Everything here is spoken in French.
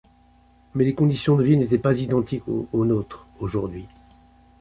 Mais les conditions de vie n’étaient pas identiques aux notre aujourd’hui.